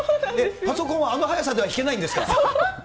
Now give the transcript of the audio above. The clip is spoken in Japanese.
パソコンはあの速さでは弾けないんですか？